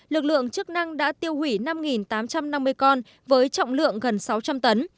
lực lượng chức năng đã tiêu hủy năm tám trăm năm mươi con với trọng lượng gần sáu trăm linh tấn